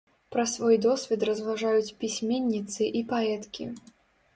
Пра свой досвед разважаюць пісьменніцы і паэткі.